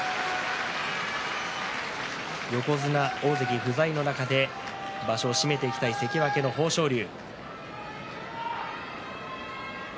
横綱、大関不在の中で場所を締めていきたい関脇の豊昇龍。